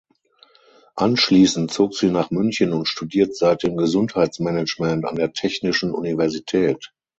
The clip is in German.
Anschließend zog sie nach München und studiert seitdem Gesundheitsmanagement an der Technischen Universität.